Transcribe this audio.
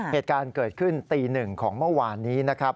เหตุการณ์เกิดขึ้นตีหนึ่งของเมื่อวานนี้นะครับ